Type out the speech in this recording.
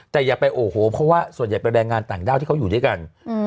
แต่อย่าไปโอ้โหเพราะว่าส่วนใหญ่เป็นแรงงานต่างด้าวที่เขาอยู่ด้วยกัน